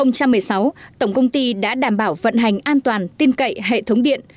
năm hai nghìn một mươi sáu tổng công ty đã đảm bảo vận hành an toàn tin cậy hệ thống điện